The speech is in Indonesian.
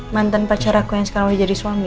mantan pacar aku yang sekarang jadi suami